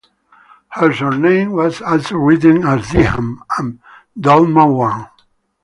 Her surname was also written as "Dinham" and "Dolmoune".